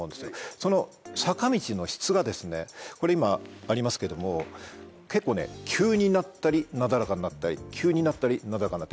その坂道の質がこれ今ありますけども結構急になったりなだらかになったり急になったりなだらかになって。